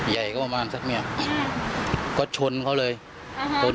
ใหญ่ก็ประมาณสักเนี้ยก็ชนเขาเลยชน